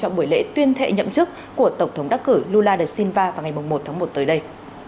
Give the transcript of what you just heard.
trong buổi lễ tuyên thệ nhậm chức của tổng thống đắc cử lula da silva vào ngày một tháng một tới đây